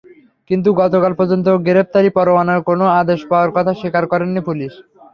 কিন্তু গতকাল পর্যন্ত গ্রেপ্তারি পরোয়ানার কোনো আদেশ পাওয়ার কথা স্বীকার করেনি পুলিশ।